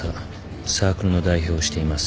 サークルの代表をしています。